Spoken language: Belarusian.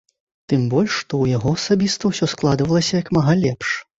Тым больш, што ў яго асабіста ўсё складвалася як мага лепш.